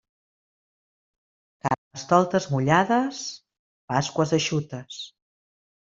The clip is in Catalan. Carnestoltes mullades, Pasqües eixutes.